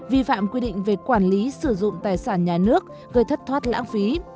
vi phạm quy định về quản lý sử dụng tài sản nhà nước gây thất thoát lãng phí